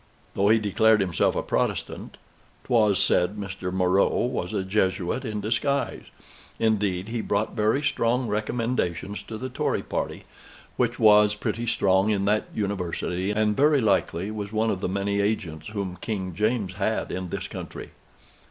Though he declared himself a Protestant, 'twas said Mr. Moreau was a Jesuit in disguise; indeed, he brought very strong recommendations to the Tory party, which was pretty strong in that University, and very likely was one of the many agents whom King James had in this country.